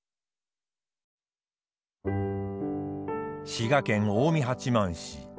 滋賀県近江八幡市。